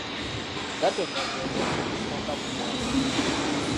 Gatonnya gwe mwezi ogusooka mu mwaka